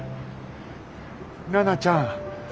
奈々ちゃん。